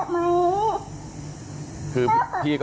ไม่รู้สิอ่ะ